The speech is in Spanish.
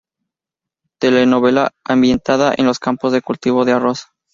Telenovela ambientada en los campos de cultivo de arroz.